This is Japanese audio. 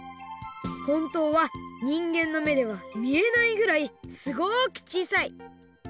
ほんとうはにんげんのめではみえないぐらいすごくちいさい！